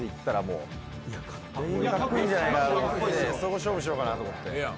そこ勝負しようかなと思って。